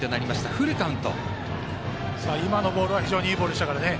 今のボールは非常にいいボールでしたからね。